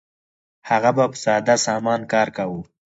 هغه به په ساده سامان کار کاوه.